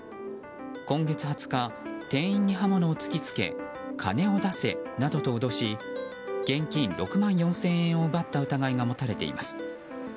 今月２０日店員に刃物を突き付け金を出せなどと脅し現金６万４０００円を奪った疑いが持たれています。